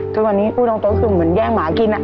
แต่วันนี้ภูตนน้องเต๊นคือเหมือนแย่งหมากินอ